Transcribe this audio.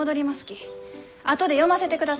あとで読ませてくださいね。